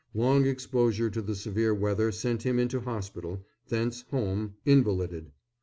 Long exposure to the severe weather sent him into hospital, thence home, invalided.